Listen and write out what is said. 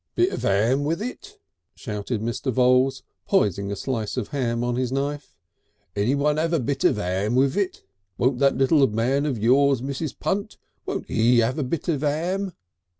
"Bit of 'am with it," shouted Mr. Voules, poising a slice of ham on his knife. "Anyone 'ave a bit of 'am with it? Won't that little man of yours, Mrs. Punt won't 'e 'ave a bit of 'am?..."